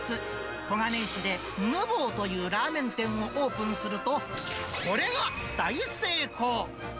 小金井市で無坊というラーメン店をオープンすると、これが大成功！